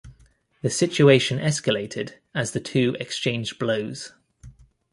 The situation escalated as the two exchanged blows.